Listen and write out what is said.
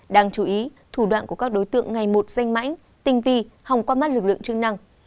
đáng chú ý thủ đoạn của các đối tượng ngày một danh mãnh tinh vi hòng qua mắt lực lượng chức năng